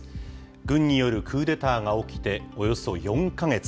軍によるクーデターが起きておよそ４か月。